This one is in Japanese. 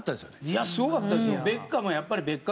いやすごかったですよ。